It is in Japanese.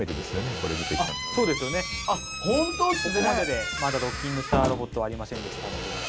ここまででまだドッキングしたロボットはありませんでしたので。